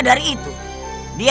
namun tujuowi dia